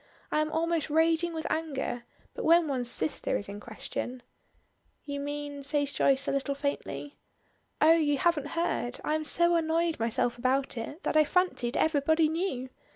I am almost raging with anger, but when one's sister is in question " "You mean?" say Joyce a little faintly. "Oh, you haven't heard. I am so annoyed myself about it, that I fancied everybody knew.